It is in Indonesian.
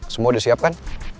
semua udah siap kan